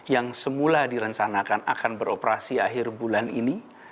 yang semula direncanakan akan beroperasi akhir bulan ini